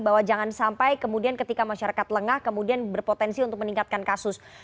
bahwa jangan sampai kemudian ketika masyarakat lengah kemudian berpotensi untuk meningkatkan kasus